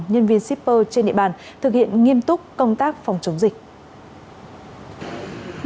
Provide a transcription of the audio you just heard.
nhân viên shipper trên địa bàn thực hiện nghiêm túc công tác phòng chống dịch